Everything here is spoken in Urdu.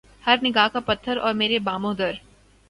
ہر نگاہ کا پتھر اور میرے بام و در